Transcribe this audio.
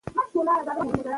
ماشومان کولای سي پرمختګ وکړي.